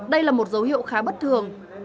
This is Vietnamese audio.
đây là một dấu hiệu khá bất thường